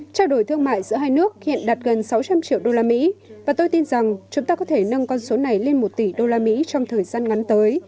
trao đổi thương mại giữa hai nước hiện đạt gần sáu trăm linh triệu đô la mỹ và tôi tin rằng chúng ta có thể nâng con số này lên một tỷ đô la mỹ trong thời gian ngắn tới